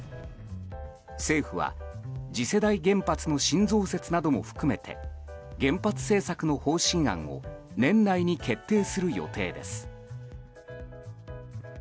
政府は次世代原発の新増設なども含めて原発政策の方針案を年内に決定する予定です。